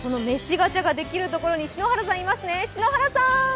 ガチャができるところに篠原さんがいますね。